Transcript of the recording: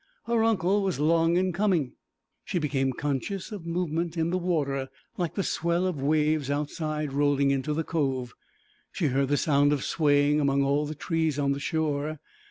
Her uncle was long in coming; she became conscious of movement in the water, like the swell of waves outside rolling into the cove. She heard the sound of swaying among all the trees on the shore.